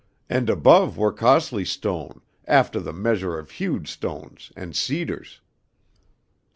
And above were cos'ly stone, aftah the measuah of hewed stones, and cedars."